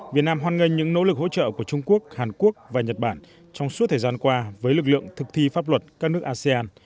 việt nam hoan nghênh những nỗ lực hỗ trợ của trung quốc hàn quốc và nhật bản trong suốt thời gian qua với lực lượng thực thi pháp luật các nước asean